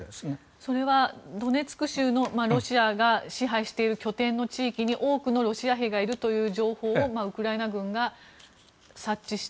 それはドネツク州のロシアが支配している拠点の地域に多くのロシア兵がいるという情報をウクライナ軍が察知して